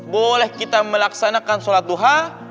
boleh kita melaksanakan sholat duha